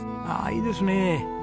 ああいいですね。